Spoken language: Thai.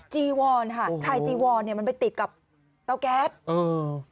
จีวอนค่ะชายจีวอนเนี้ยมันไปติดกับเตาแก๊สอืม